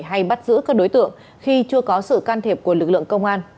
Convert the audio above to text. hay bắt giữ các đối tượng khi chưa có sự can thiệp của lực lượng công an